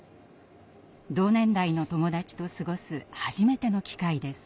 同年代の友達と過ごす初めての機会です。